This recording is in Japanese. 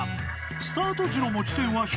［スタート時の持ち点は１００点］